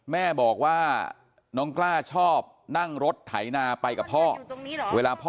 แม่บอกว่าน้องกล้าชอบนั่งรถไถนาไปกับพ่อเวลาพ่อ